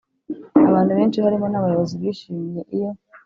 Abantu benshi harimo n abayobozi bishimiye iyo